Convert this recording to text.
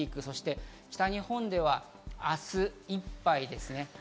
そして北日本では明日いっぱいですね。